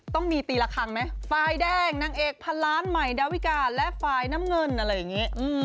ต้องมีตีละครั้งไหมฝ่ายแดงนางเอกพันล้านใหม่ดาวิกาและฝ่ายน้ำเงินอะไรอย่างนี้